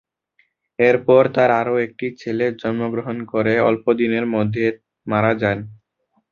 এরপর তার আরোও একটি ছেলে জন্মগ্রহণ করে অল্প দিনের মধ্যে মারা যান।